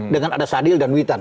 dengan ada sadil dan witan